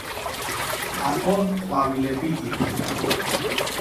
კატომ ყვავილები იყიდა